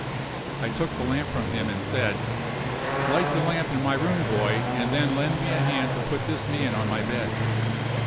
I took the lamp from him and said: "Light the lamp in my room, boy, and then lend me a hand to put this man on my bed."